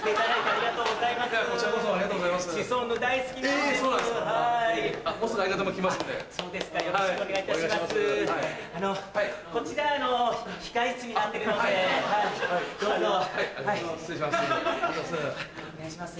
あっお願いします。